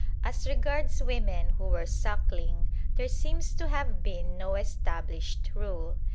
As regards women who were suckling, there seems to have been no established rule.